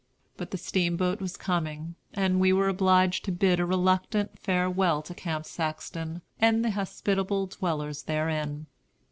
But the steamboat was coming, and we were obliged to bid a reluctant farewell to Camp Saxton and the hospitable dwellers therein.